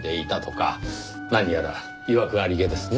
何やらいわくありげですね。